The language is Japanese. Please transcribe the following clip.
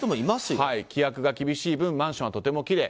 規約が厳しい分マンションはとてもきれい。